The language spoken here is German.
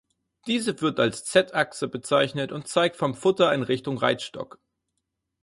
Diese wird als Z-Achse bezeichnet und zeigt vom Futter in Richtung Reitstock.